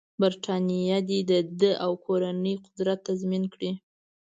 برټانیه دې د ده او کورنۍ قدرت تضمین کړي.